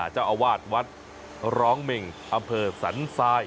เจ้าอาวาสวัดร้องเมงอำเภอสันทราย